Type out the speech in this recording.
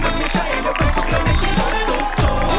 ถ้ามันไม่ใช่รถประทุกและไม่ใช่รถตุ๊กตุ๊ก